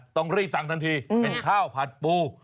ต้องรีบสั่งทันทีเป็นข้าวผัดปู